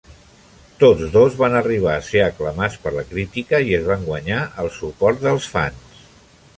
Tots dos van arribar a ser aclamats per la crítica i es van guanyar el suport dels fans.